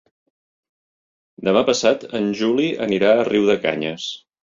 Demà passat en Juli anirà a Riudecanyes.